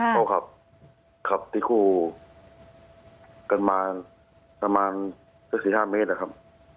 เขาขับที่คู่กันมาประมาณสัก๔๕เมตรนะครับ